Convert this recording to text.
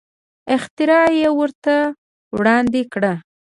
اختراع یې ورته وړاندې کړه.